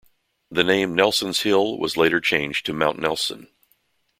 The name 'Nelson's Hill' was later changed to Mount Nelson.